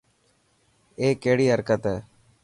اي ڪهڙي حرڪت هي.